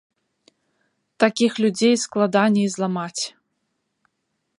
Такіх людзей складаней зламаць.